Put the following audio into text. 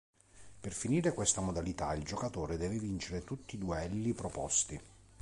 Per finire questa modalità il giocatore deve vincere tutti i duelli proposti.